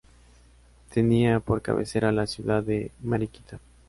Tenía por cabecera a la ciudad de Mariquita.